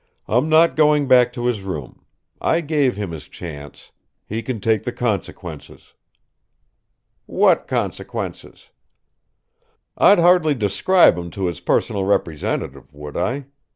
"I'm not going back to his room. I gave him his chance. He can take the consequences." "What consequences?" "I'd hardly describe 'em to his personal representative, would I?